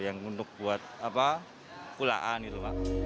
yang untuk buat apa pulaan gitu